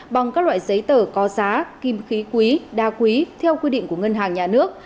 bằng các loại giấy tờ có giá kim khí quý đa quý theo quy định của ngân hàng nhà nước